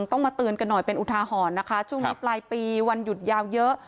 ต้องมาเตือนกันหน่อยเป็นอุทาหรณ์นะคะช่วงนี้ปลายปีวันหยุดยาวเยอะ